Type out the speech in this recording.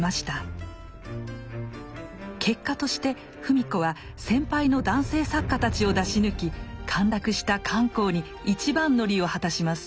結果として芙美子は先輩の男性作家たちを出し抜き陥落した漢口に一番乗りを果たします。